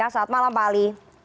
selamat malam pak ali